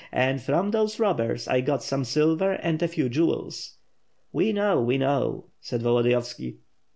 And from those robbers I got some silver and a few jewels." "We know, we know," said Volodiyovski.